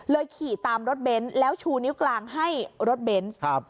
ขี่ตามรถเบนท์แล้วชูนิ้วกลางให้รถเบนส์ครับ